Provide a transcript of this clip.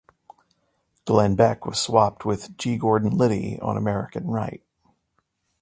Glenn Beck was swapped with G. Gordon Liddy on America Right.